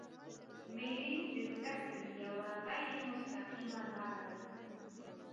مېلې د زدهکړي یوه غیري مستقیمه لاره ده.